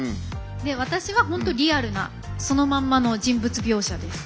で、私は本当リアルなそのまんまの人物描写です。